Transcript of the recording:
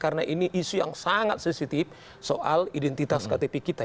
karena ini isu yang sangat sensitif soal identitas ktp kita